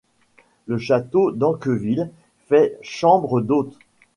Le château d'Anqueville fait chambre d'hôtes.